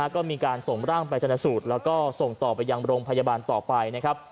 ก็มีการส่งร่างไปจนสูตรแล้วก็ส่งต่อไปยังโรงพยาบาลต่อไปนะครับ